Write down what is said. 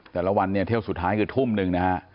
แต่ละวันเนี่ยเที่ยวสุดท้ายคือทุ่มหนึ่งนะฮะ